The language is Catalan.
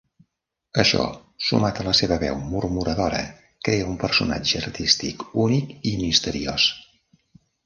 Això, sumat a la seva veu murmuradora, crea un personatge artístic únic i misteriós.